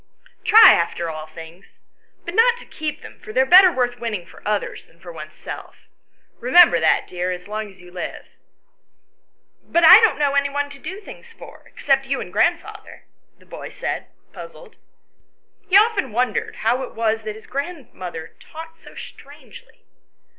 Try after all things ; but not to keep them, for they are better worth winning for others than for oneself. Eemember that, dear, as long as you live." "But I don't know any one to do things for, except you and grandfather," the boy said, puzzled. He often wondered how it was that his grandmother talked so strangely.